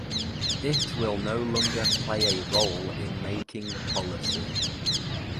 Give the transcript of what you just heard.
It will no longer play a role in making policy.